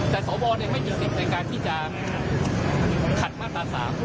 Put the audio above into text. แต่สวไม่มีสิทธิ์ในการที่จะขัดมาตรา๓